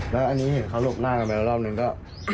แล้วอันนี้เห็นเขาหลบหน้ากันไปแล้วรอบนึงก็